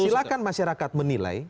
jadi silakan masyarakat menilai